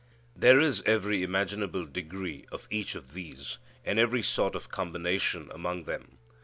There is every imaginable degree of each of these, and every sort of combination among them.